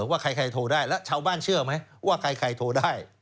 ว่าถ้าใครโทรได้นะเช้าบ้านเชื่อมั้ยว่าใครโทรได้